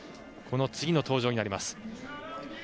この次の登場になります。